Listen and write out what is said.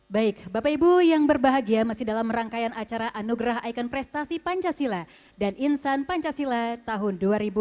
baik bapak ibu yang berbahagia masih dalam rangkaian acara anugerah ikon prestasi pancasila dan insan pancasila tahun dua ribu dua puluh